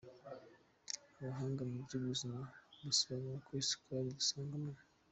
Abahanga mu by’ubuzima basobanura ko isukari dusanga mu